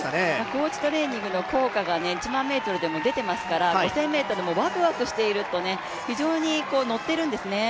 高地トレーニングの効果が１００００ｍでも出ていますから５０００ｍもワクワクしていると非常に乗っているんですね。